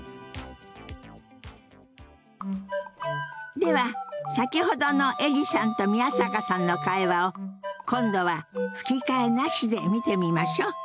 では先ほどのエリさんと宮坂さんの会話を今度は吹き替えなしで見てみましょう。